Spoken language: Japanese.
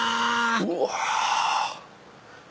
うわ！